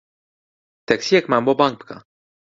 تەکسییەکمان بۆ بانگ بکە.